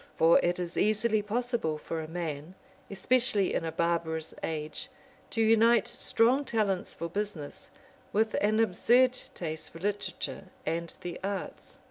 For it is easily possible for a man, especially in a barbarous age, to unite strong talents for business with an absurd taste for literature and the arts.